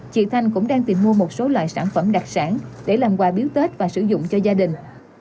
chị thanh cũng đang tìm mua một số loại sản phẩm đặc sản để làm quà biếu tết và sử dụng cho gia đình